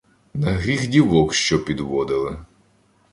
На гріх дівок що підводили